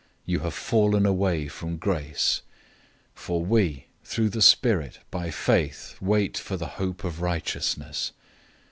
You have fallen away from grace. 005:005 For we, through the Spirit, by faith wait for the hope of righteousness.